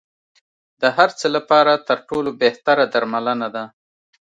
د هر څه لپاره تر ټولو بهتره درملنه ده.